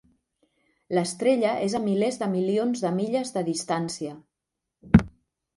L'estrella és a milers de milions de milles de distància.